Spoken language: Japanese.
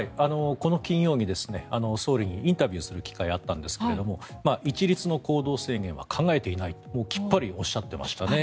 この金曜に総理にインタビューする機会があったんですが一律の行動制限は考えていないときっぱりおっしゃっていました。